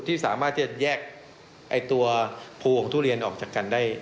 ที่สามารถจะแยกตัวภูของทุเรียนออกจากกันได้